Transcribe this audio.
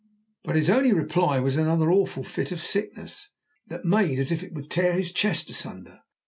But his only reply was another awful fit of sickness, that made as if it would tear his chest asunder.